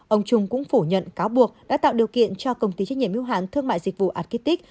ông trung cũng phủ nhận cáo buộc đã tạo điều kiện cho công ty trách nhiệm yêu hạn thương mại dịch vụ argitic